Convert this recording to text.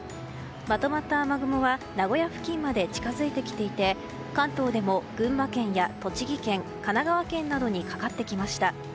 まとまった雨雲は名古屋付近まで近づいてきていて関東でも群馬県や栃木県神奈川県などにかかってきました。